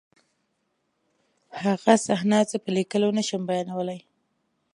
هغه صحنه زه په لیکلو نشم بیانولی